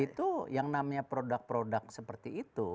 itu yang namanya produk produk seperti itu